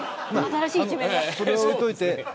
それは置いておいて。